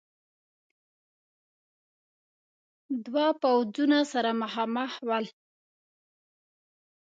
دو پوځونه سره مخامخ ول.